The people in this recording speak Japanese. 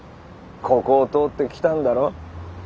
ここを通って来たんだろ？